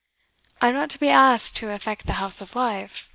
"I am not to be asked to affect the House of Life?"